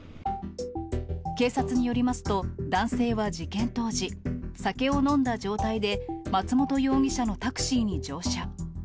警察によりますと、男性は事件当時、酒を飲んだ状態で松元容疑者のタクシーに乗車。